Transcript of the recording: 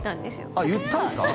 あ言ったんですか？